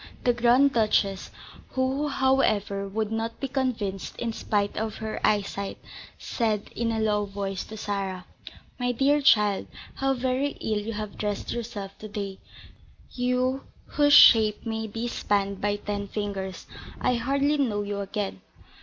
The Grand Duchess, who, however, would not be convinced in spite of her eyesight, said, in a low voice, to Sarah: "My dear child, how very ill you have dressed yourself to day, you, whose shape may be spanned by ten fingers. I hardly know you again."